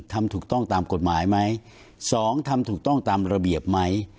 ทำถูกต้องตามกฎหมายไหมสองทำถูกต้องตามระเบียบไหม